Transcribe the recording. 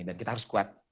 dan kita harus kuat